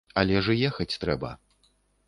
Але ж і ехаць трэба.